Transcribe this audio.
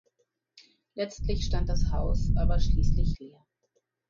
Letztlich stand das Haus aber schließlich leer.